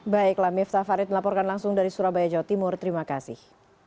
baiklah miftah farid melaporkan langsung dari surabaya jawa timur terima kasih